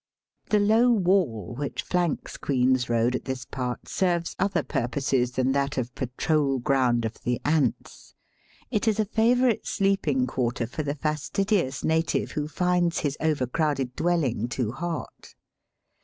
The low wall which flanks Queen's Eoad at this part serves other purposes than that of patrol ground of the ants. It is a favourite sleeping quarter for the fastidious native who finds his over crowded dwelling too hot.